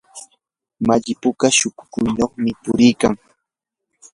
malli puka shukuyniyuqmi puriykan.